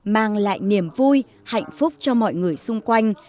mang lại niềm vui hạnh phúc cho mọi người xung quanh